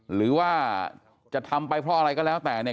หรือว่าจะทำไปเพราะอะไรก็แล้วแต่เนี่ย